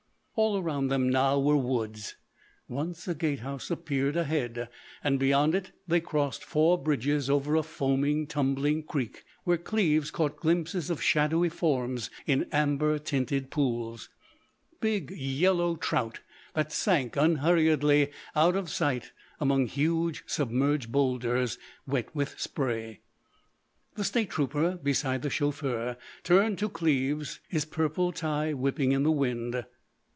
All around them were woods, now. Once a Gate House appeared ahead; and beyond it they crossed four bridges over a foaming, tumbling creek where Cleves caught glimpses of shadowy forms in amber tinted pools—big yellow trout that sank unhurriedly out of sight among huge submerged boulders wet with spray. The State trooper beside the chauffeur turned to Cleves, his purple tie whipping in the wind.